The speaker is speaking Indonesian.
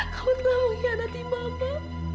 kamu telah mengkhianati mama